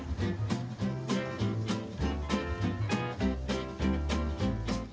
pembeli beli pembeli beli